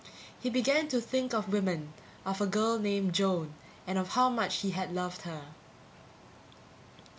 He began to think of women, of a girl named Joan, and of how much he had loved her